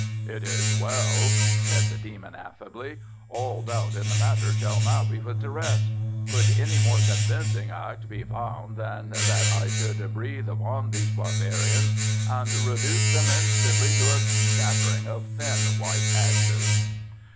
"It is well," said the demon affably. "All doubt in the matter shall now be set at rest. Could any more convincing act be found than that I should breath upon these barbarians and reduce them instantly to a scattering of thin white ashes?"